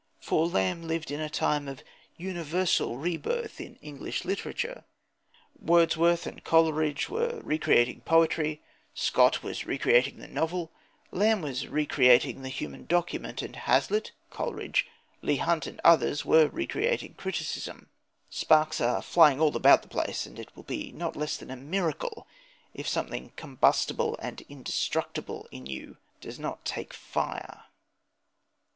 For Lamb lived in a time of universal rebirth in English literature. Wordsworth and Coleridge were re creating poetry; Scott was re creating the novel; Lamb was re creating the human document; and Hazlitt, Coleridge, Leigh Hunt, and others were re creating criticism. Sparks are flying all about the place, and it will be not less than a miracle if something combustible and indestructible in you does not take fire.